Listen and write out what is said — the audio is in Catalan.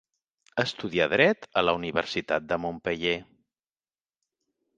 Estudià Dret a la Universitat de Montpeller.